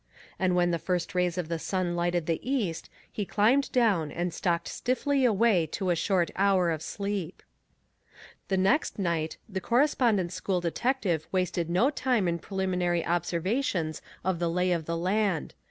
And when the first rays of the sun lighted the east he climbed down and stalked stiffly away to a short hour of sleep. The next night the Correspondence School detective wasted no time in preliminary observations of the lay of the land.